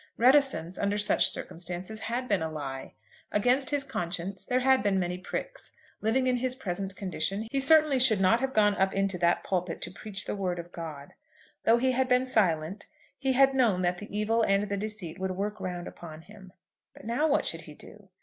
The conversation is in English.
Reticence under such circumstances had been a lie. Against his conscience there had been many pricks. Living in his present condition he certainly should not have gone up into that pulpit to preach the Word of God. Though he had been silent, he had known that the evil and the deceit would work round upon him. But now what should he do?